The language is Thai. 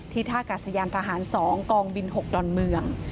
ท่ากาศยานทหาร๒กองบิน๖ดอนเมือง